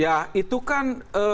ya itu kan